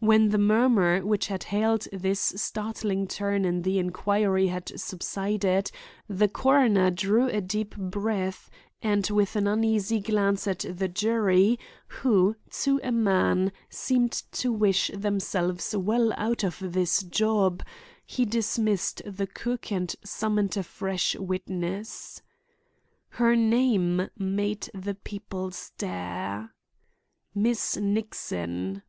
When the murmur which had hailed this startling turn in the inquiry had subsided, the coroner drew a deep breath, and, with an uneasy glance at the jury, who, to a man, seemed to wish themselves well out of this job, he dismissed the cook and summoned a fresh witness. Her name made the people stare. "Miss Nixon."